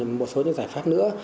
một số những giải pháp nữa